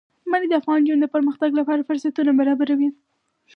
منی د افغان نجونو د پرمختګ لپاره فرصتونه برابروي.